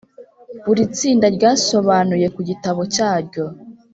buri tsinda ryasobanuye ku gitabo cyaryo.